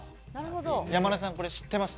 山根さん、知ってました？